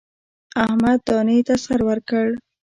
احمد دانې ته سر ورکړ.